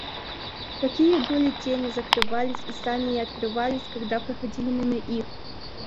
Какие были, те не закрывались и сами открывались, когда проходили мимо их.